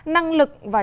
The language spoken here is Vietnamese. năng lực và chất lượng